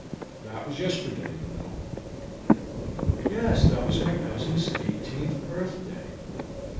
That was yesterday, you know." "Yes, that was my cousin's eighteenth birthday.